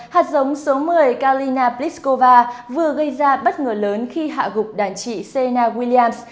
hạt giống số một mươi kalina pliskova vừa gây ra bất ngờ lớn khi hạ gục đàn trị sena williams